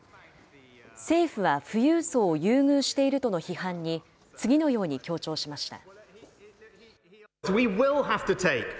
政府は富裕層を優遇しているとの批判に、次のように強調しました。